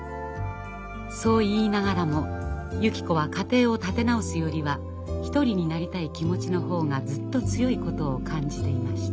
そう言いながらもゆき子は家庭を立て直すよりは１人になりたい気持ちの方がずっと強いことを感じていました。